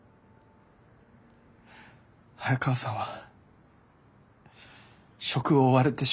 早川さんは職を追われてしまった。